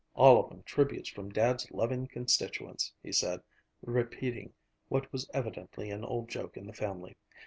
"All of 'em tributes from Dad's loving constituents," he said, repeating what was evidently an old joke in the family.